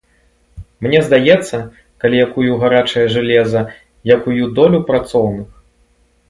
Мне здаецца, калі я кую гарачае жалеза, я кую долю працоўных!